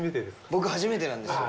僕、初めてなんですよ。